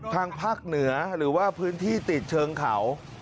ทางภาคเหนือหรือว่าพื้นที่ติดเชิงเขา